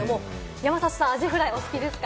山里さん、アジフライお好きですか？